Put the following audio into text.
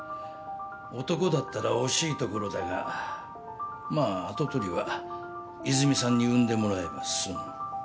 男だったら惜しいところだがまあ跡取りは泉さんに産んでもらえば済む。